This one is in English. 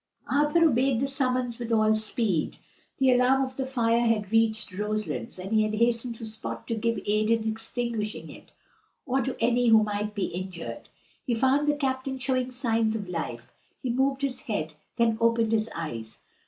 Arthur obeyed the summons with all speed. The alarm of the fire had reached Roselands, and he had hastened to the spot to give aid in extinguishing it, or to any who might be injured. He found the captain showing signs of life; he moved his head, then opened his eyes.